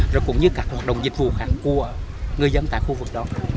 rồi cũng như các hoạt động dịch vụ khác của người dân tại khu vực đó